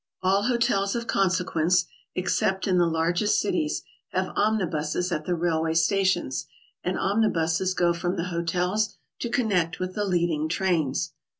All hotels of consequence, except in the largest cities, have omnibuses at the railway stations, and omnibuses go from the hotels to connect with the leading trains.